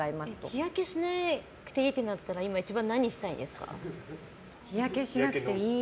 日焼けしなくていいってなったら今、一番何したいですか？